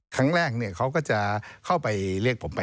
ครั้งแรกเขาก็จะเข้าไปเรียกผมไป